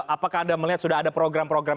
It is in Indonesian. apakah anda melihat sudah ada program program